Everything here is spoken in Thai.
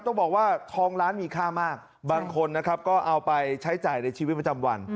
ต้องบอกว่าทองล้านมีค่ามากบางคนนะครับก็เอาไปใช้จ่ายในชีวิตประจำวัน